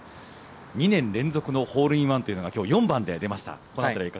２年連続のホールインワンというのが今日４番で出ました